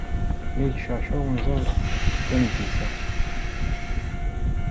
La yettceṛcuṛ wenẓar tameddit-a.